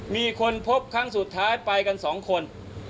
มีคนพบครั้งสุดท้ายไปกันสองคน